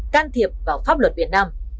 can thiệp vào pháp luật việt nam